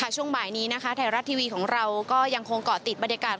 ช่วงบ่ายนี้นะคะไทยรัฐทีวีของเราก็ยังคงเกาะติดบรรยากาศ